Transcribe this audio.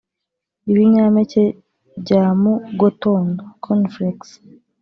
ibinyampeke bya mu gotondo (cornflakes)